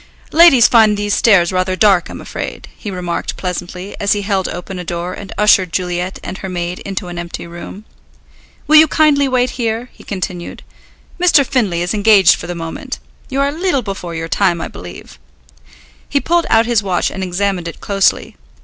"Ladies find these stairs rather dark, I'm afraid," he remarked pleasantly, as he held open a door and ushered Juliet and her maid into an empty room. "Will you kindly wait here," he continued. "Mr. Findlay is engaged for the moment. You are a leetle before your time, I believe." He pulled out his watch and examined it closely.